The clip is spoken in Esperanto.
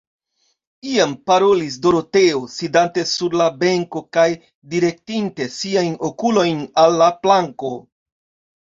Iam parolis Doroteo, sidante sur la benko kaj direktinte siajn okulojn al la planko.